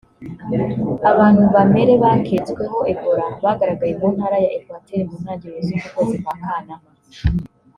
Abantu bamere baketsweho Ebola bagaragaye mu Ntara ya Equateur mu ntangiriro z’uku kwezi kwa Kanama